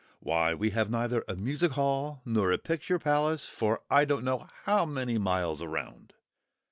Why, we have neither a music hall nor a picture palace for I don't know how many miles round!